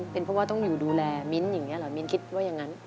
เป็นเพราะว่าต้องอยู่ดูแลมิ้นท์อย่างนี้เหรอมิ้นคิดว่าอย่างนั้น